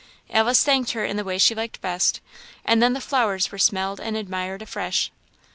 Alice thanked her in the way she liked best, and then the flowers were smelled and admired afresh.